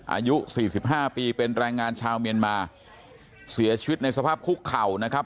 อายุสี่สิบห้าปีเป็นแรงงานชาวเมียนมาเสียชีวิตในสภาพคุกเข่านะครับ